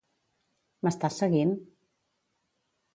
M'estàs seguint?